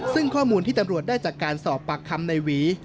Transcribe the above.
ซึ่งข้อมูลที่ตำรวจได้จากการสอบปากคำในหวี